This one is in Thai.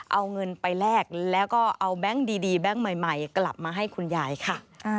เอาเงินไปแลกแล้วก็เอาแบงค์ดีแบงค์ใหม่กลับมาให้คุณยายค่ะ